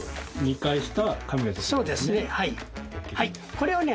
これをね